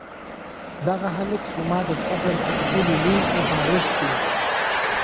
دغه هلک زما د صبر تر ټولو لوی ازمېښت دی.